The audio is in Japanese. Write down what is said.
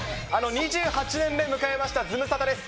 ２８年目迎えましたズムサタです。